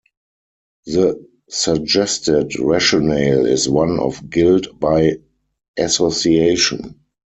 The suggested rationale is one of guilt by association.